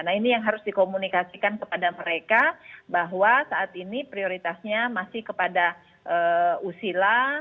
nah ini yang harus dikomunikasikan kepada mereka bahwa saat ini prioritasnya masih kepada usila